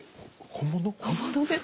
本物です！